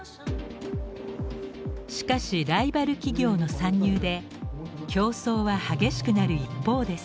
しかしライバル企業の参入で競争は激しくなる一方です。